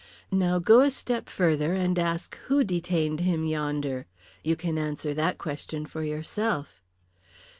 Now go a step further and ask who detained him yonder. You can answer that question for yourself."